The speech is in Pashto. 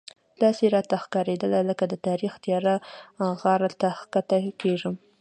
داسې راته ښکارېدل لکه د تاریخ تیاره غار ته ښکته کېږم.